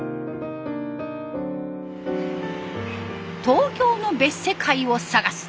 東京の別世界を探す